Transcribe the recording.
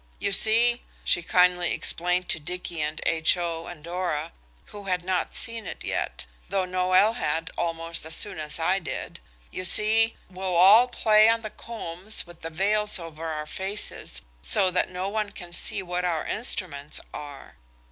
You see," she kindly explained to Dicky and H.O. and Dora, who had not seen it yet–though Noël had, almost as soon as I did–"you see, we'll all play on the combs with the veils over our faces, so that no one can see what our instruments are.